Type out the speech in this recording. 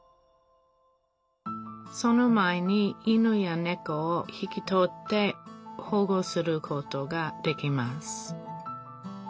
その前に犬やねこを引き取って保護することができます